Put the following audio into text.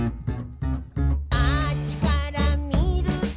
「あっちからみると」